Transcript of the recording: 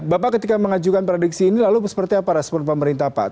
bapak ketika mengajukan prediksi ini lalu seperti apa respon pemerintah pak